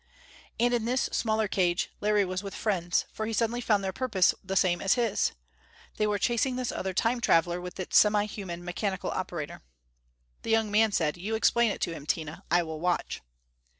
And in this smaller cage Larry was with friends for he suddenly found their purpose the same as his! They were chasing this other Time traveler, with its semi human, mechanical operator! The young man said, "You explain to him, Tina. I will watch."